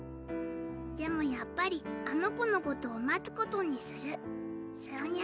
でもやっぱりあの子のことを待つことにするさよニャ